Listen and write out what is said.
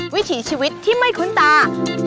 วิถีชีวิตที่ไม่คุ้นตา